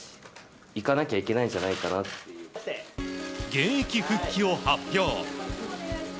現役復帰を発表。